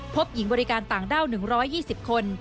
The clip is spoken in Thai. พบหญิงบริการต่างด้าว๑๒๐คน